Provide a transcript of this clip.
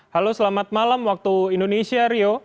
halo selamat malam waktu indonesia rio